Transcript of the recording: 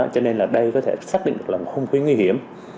cho nên là đây có thể xác định được là một khung khí nguy hiểm